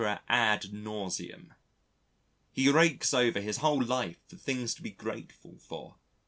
ad nauseam. He rakes over his whole life for things to be grateful for.